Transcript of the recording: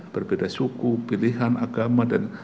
berbeda suku pilihan agama dan